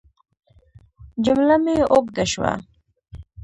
جمله مې اوږده شوه.